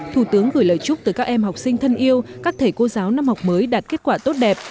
thủ tướng gửi lời chúc tới các em học sinh thân yêu các thầy cô giáo năm học mới đạt kết quả tốt đẹp